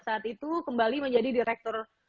saat itu kembali menjadi direktur